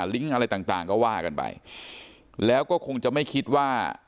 ลิงก์อะไรต่างต่างก็ว่ากันไปแล้วก็คงจะไม่คิดว่า